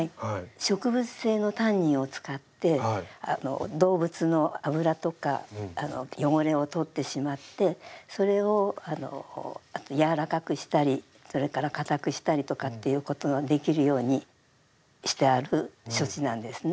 植物性のタンニンを使って動物の脂とか汚れを取ってしまってそれを柔らかくしたりそれから硬くしたりとかっていうことのできるようにしてある処置なんですね。